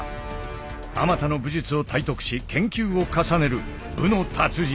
あまたの武術を体得し研究を重ねる武の達人。